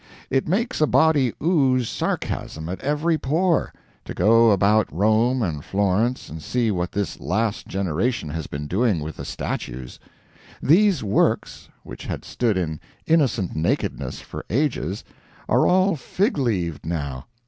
It makes a body ooze sarcasm at every pore, to go about Rome and Florence and see what this last generation has been doing with the statues. These works, which had stood in innocent nakedness for ages, are all fig leaved now.